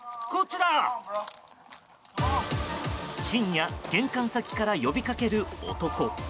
深夜、玄関先から呼びかける男。